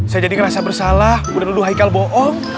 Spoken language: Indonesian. saya jadi ngerasa bersalah mudah mudahan haikal bohong